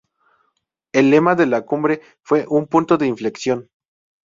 El lema de la cumbre fue "un punto de inflexión".